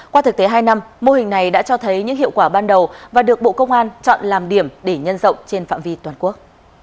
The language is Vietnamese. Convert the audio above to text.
qua thực tế hai năm mô hình này đã cho thấy những hiệu quả ban đầu và được bộ công an chọn làm điểm để nhân rộng trên phạm vi toàn quốc